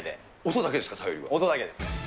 音だけです。